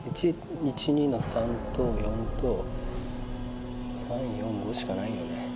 １１２の３と４と３４５しかないよね